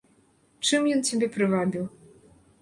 Чым ён цябе прывабіў?